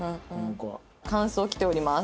感想来ております。